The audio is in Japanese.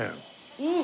うん。